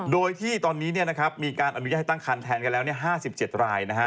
โดยที่ตอนนี้มีการอนุญาตให้ตั้งคันแทนกันแล้ว๕๗ราย